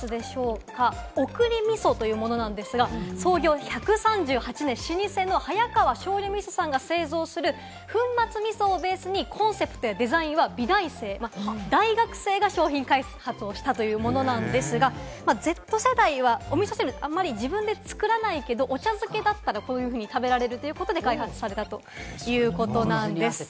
おくりみそというものなんですが、創業１３８年、老舗の早川しょうゆみそさんが製造する粉末みそをベースにコンセプトやデザインは美大生、大学生が商品開発をしたというものなんですが、Ｚ世代はおみそ汁、あんまり自分で作らないけれども、お茶漬けだったら、こういうふうに食べられるということで開発されたということなんです。